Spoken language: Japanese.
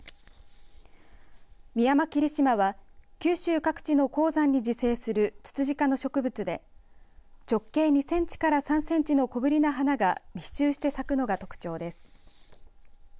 ミヤマキリシマは九州各地の高山に自生するツツジ科の植物では直径２センチから３センチの小ぶりな花が密集して咲くのが特徴です。